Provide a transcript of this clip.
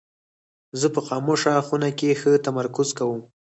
زه په خاموشه خونه کې ښه تمرکز کوم.